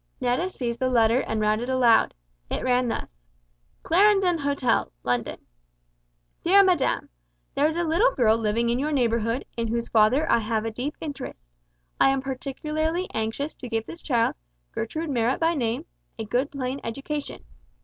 Netta seized the letter and read it aloud. It ran thus: "Clarendon Hotel, London. "Dear Madam, There is a little girl living in your neighbourhood, in whose father I have a deep interest. I am particularly anxious to give this child, Gertrude Marrot by name, a good plain education.